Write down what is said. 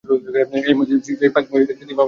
এই মসজিদ সেই পাঁচ মসজিদের মধ্যে একটি।